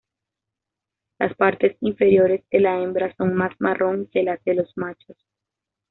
Las partes inferiores de la hembra son más marrón que las de los machos.